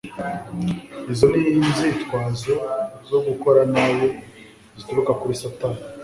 izo ni inzitwazo zo gukora nabi zituruka kuri satani